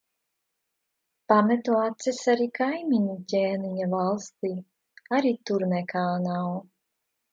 Pametu acis arī kaimiņu ķēniņa valstī. Arī tur nekā nav.